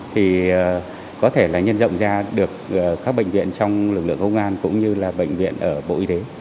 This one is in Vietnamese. thì có thể là nhân rộng ra được các bệnh viện trong lực lượng công an cũng như là bệnh viện ở bộ y tế